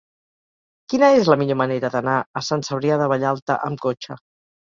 Quina és la millor manera d'anar a Sant Cebrià de Vallalta amb cotxe?